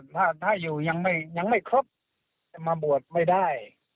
ถ้าอยู่ยังไม่ครบจะมาบวชไม่ได้